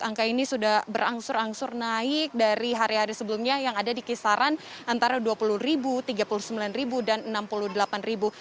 angka ini sudah berangsur angsur naik dari hari hari sebelumnya yang ada di kisaran antara dua puluh ribu tiga puluh sembilan ribu dan enam puluh delapan ribu